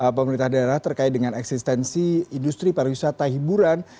pemerintah daerah terkait dengan eksistensi industri pariwisata hiburan